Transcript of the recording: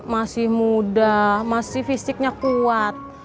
masih muda masih fisiknya kuat